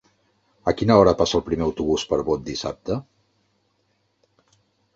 A quina hora passa el primer autobús per Bot dissabte?